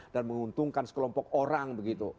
dan menguntungkan sekelompok orang begitu